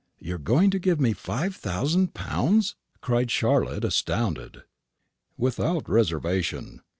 "You are going to give me five thousand pounds!" cried Charlotte, astounded. "Without reservation."